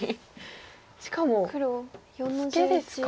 しかもツケですか。